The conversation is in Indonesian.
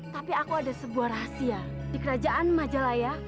tapi aku ada sebuah rahasia di kerajaan majalaya